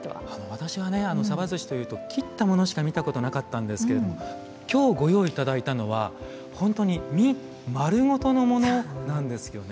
私はねさばずしというと切ったものしか見たことなかったんですけれども今日ご用意頂いたのは本当に身丸ごとのものなんですよね。